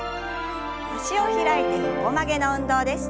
脚を開いて横曲げの運動です。